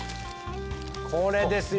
これですよ。